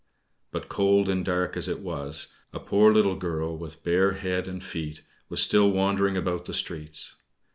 But cold and dark as it was, a poor little girl, with bare head and feet, was still wandering about the streets.